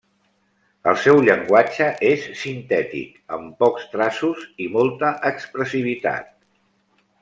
El seu llenguatge és sintètic, amb pocs traços i molta expressivitat.